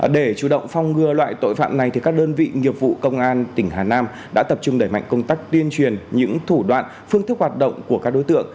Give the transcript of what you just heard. để chủ động phong ngừa loại tội phạm này các đơn vị nghiệp vụ công an tỉnh hà nam đã tập trung đẩy mạnh công tác tuyên truyền những thủ đoạn phương thức hoạt động của các đối tượng